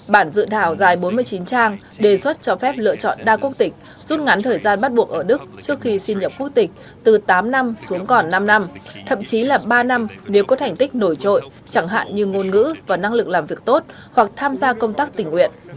bản dự thảo dài bốn mươi chín trang đề xuất cho phép lựa chọn đa quốc tịch rút ngắn thời gian bắt buộc ở đức trước khi xin nhập quốc tịch từ tám năm xuống còn năm năm thậm chí là ba năm nếu có thành tích nổi trội chẳng hạn như ngôn ngữ và năng lực làm việc tốt hoặc tham gia công tác tình nguyện